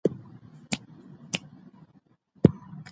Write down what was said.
يو ملکري ملک سياف د بې کنټروله سوچونو